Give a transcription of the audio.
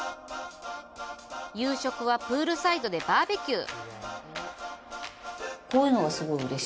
夕食はプールサイドでバーベキュー！